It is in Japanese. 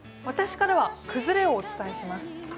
私からは崩れをお伝えします。